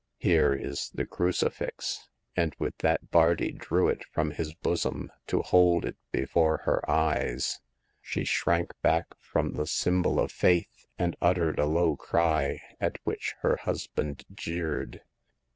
Here is the crucifix !" and with that Bardi drew it from his bosom to hold it be fore her eyes. She shrank back before the sym s The Fourth Customer. 123 bol of faith, and uttered a low cry, at which her husband jeered.